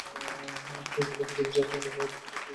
সে বলল, পৃথিবীর চারজন রূপবতীর মধ্যে তুই একজন।